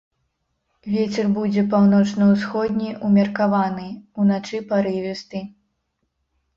Вецер будзе паўночна-ўсходні ўмеркаваны, уначы парывісты.